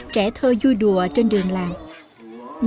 trẻ thơ vui đùa trên đường làng